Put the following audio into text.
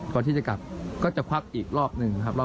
ก่อนที่จะกลับตอนนี้ก็จะควับอีกรอบหนึ่ง